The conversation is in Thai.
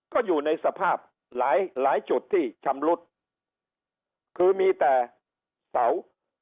ก็อยู่ในสภาพหลายหลายจุดที่ชำรุดคือมีแต่เสา